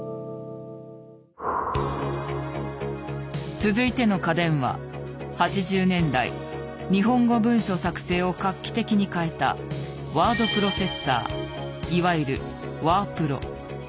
続いての家電は８０年代日本語文書作成を画期的に変えたワードプロセッサーいわゆるワープロ。